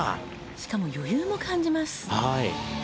しかも余裕も感じます。